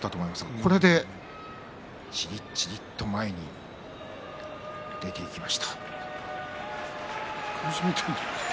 これで、じりじりと前に出ていきます。